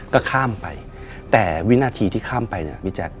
ก็ข้ามไปแต่วินาทีที่ข้ามไปเนี่ยพี่แจ๊ค